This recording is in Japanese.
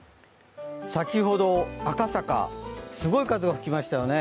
先ほど赤坂、すごい風が吹きましたよね。